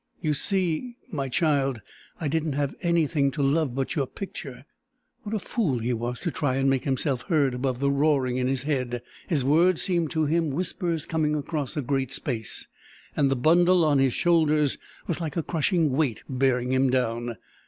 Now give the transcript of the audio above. "You see my child I didn't have anything to love but your picture...." What a fool he was to try and make himself heard above the roaring in his head! His words seemed to him whispers coming across a great space. And the bundle on his shoulders was like a crushing weight bearing him down!